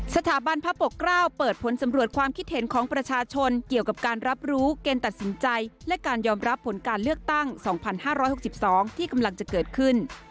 สถาบันพระปกเกล้าเปิดผลสำรวจความคิดเห็นของประชาชนเกี่ยวกับการรับรู้เกณฑ์ตัดสินใจและการยอมรับผลการเลือกตั้ง๒๕๖๒ที่กำลังจะเกิดขึ้น